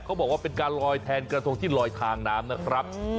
เขาบอกว่าเป็นการลอยแทนกระทงที่ลอยทางน้ำนะครับ